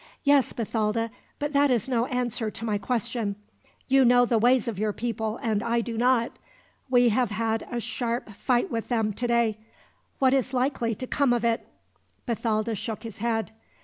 "Yes, Bathalda; but that is no answer to my question. You know the ways of your people, and I do not. We have had a sharp fight with them today. What is likely to come of it?" Bathalda shook his head.